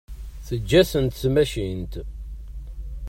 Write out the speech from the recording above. Teǧǧa-tent tmacint.